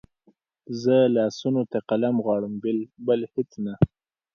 زه لاسونو ته قلم غواړم بل هېڅ نه